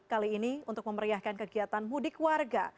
kali ini untuk memeriahkan kegiatan mudik warga